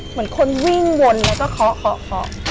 เหมือนคนวิ่งวนแล้วก็เคาะเคาะ